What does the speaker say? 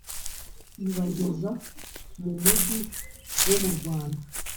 ibageza mu mugi wo mu Rwanda